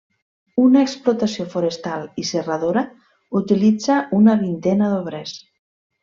Una explotació forestal i serradora utilitza una vintena d'obrers.